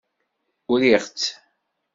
Uriɣ-tt.